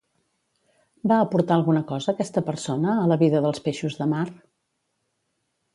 Va aportar alguna cosa aquesta persona a la vida dels peixos de mar?